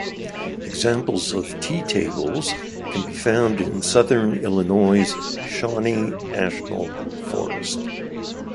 Examples of tea tables can be found in southern Illinois' Shawnee National Forest.